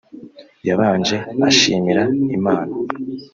yabanje ashimira Imana